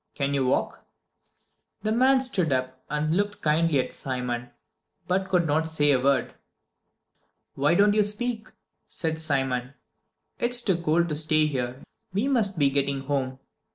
Can you walk?" The man stood up and looked kindly at Simon, but could not say a word. "Why don't you speak?" said Simon. "It's too cold to stay here, we must be getting home.